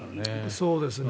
そうですね。